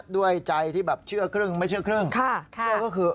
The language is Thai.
ด้วยใจที่แบบเชื่อครึ่งไม่เชื่อครึ่งเชื่อก็คือ